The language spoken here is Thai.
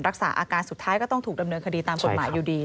รักษาอาการสุดท้ายก็ต้องถูกดำเนินคดีตามกฎหมายอยู่ดี